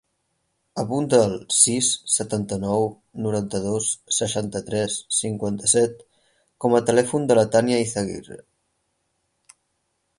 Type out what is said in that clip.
Apunta el sis, setanta-nou, noranta-dos, seixanta-tres, cinquanta-set com a telèfon de la Tània Eizaguirre.